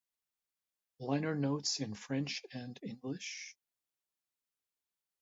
Liner notes in French and English.